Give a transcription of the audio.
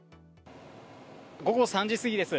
午後３時過ぎです。